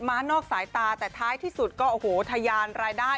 ้านอกสายตาแต่ท้ายที่สุดก็โอ้โหทะยานรายได้